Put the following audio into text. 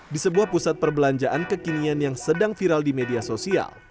di sebuah pusat perbelanjaan kekinian yang sedang viral di media sosial